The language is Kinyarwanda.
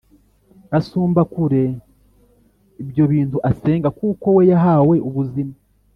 Asumba kure ibyo bintu asenga, kuko we yahawe ubuzima,